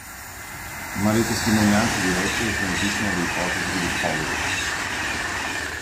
Ma le testimonianze dirette smentiscono le ipotesi di Fogel.